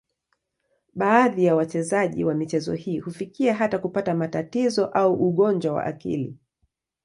Baadhi ya wachezaji wa michezo hii hufikia hata kupata matatizo au ugonjwa wa akili.